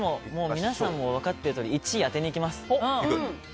皆さんも分かっているとおり１位を当てにいきます。